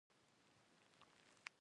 ژوند بیله تا ډیر نیمګړی دی.